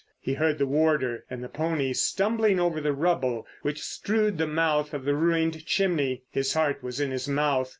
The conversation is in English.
He heard the warder and the pony stumbling over the rubble which strewed the mouth of the ruined chimney; his heart was in his mouth.